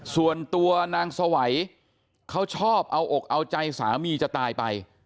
ส่วนตัวนางสวัยเขาชอบเอาอกเอาใจสามีจะตายไป